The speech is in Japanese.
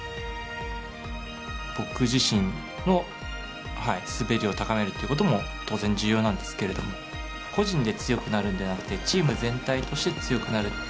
僕自身の滑りを高めるっていうことも当然、重要なんですけれども個人で強くなるんではなくてチーム全体として強くなる。